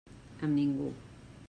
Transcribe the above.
Amb ningú.